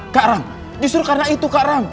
kak ram justru karena itu kak ram